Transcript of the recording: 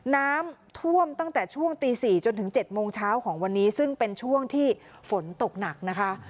น้ำท่วมตั้งแต่ช่วงตี๔จนถึง๗โมงเช้าของวันนี้ซึ่งเป็นช่วงที่ฝนตกหนักนะคะ